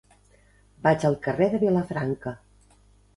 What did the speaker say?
Vaig al carrer de Vilafranca.